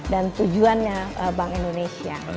dan tujuannya bank indonesia